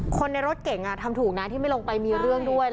คนในรถเก่งทำถูกนะที่ไม่ลงไปมีเรื่องด้วย